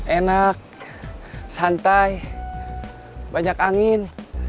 enak santai banyak angin